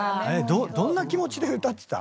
どんな気持ちで歌ってたの？